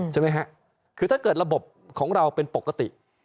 ใช่ไหมฮะคือถ้าเกิดระบบของเราเป็นปกติ